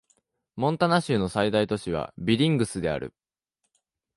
モンタナ州の最大都市はビリングスである